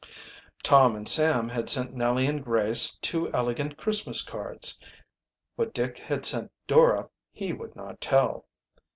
Tom and Sam had sent Nellie and Grace two elegant Christmas cards. What Dick had sent Dora he would not tell.